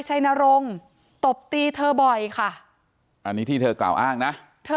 ทั้งครูก็มีค่าแรงรวมกันเดือนละประมาณ๗๐๐๐กว่าบาท